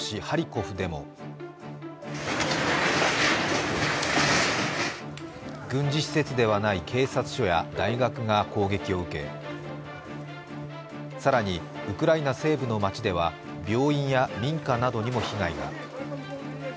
ハリコフでも軍事施設ではない警察署や大学が攻撃を受け更に、ウクライナ西部の町では病院や民家などにも被害が。